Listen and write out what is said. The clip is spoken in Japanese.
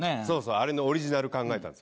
あれのオリジナル考えたんです。